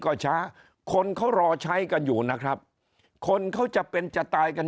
ก็ช้าคนเขารอใช้กันอยู่นะครับคนเขาจะเป็นจะตายกัน